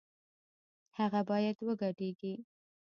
هغه بايد وګډېږي